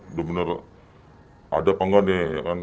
udah bener ada apa nggak nih ya kan